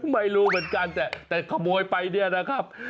ไม่รู้เหมือนกันแต่ขโมยไปเนี่ยนะครับ